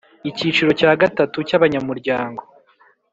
Icyiciro cya gatatu cy’abanyamuryango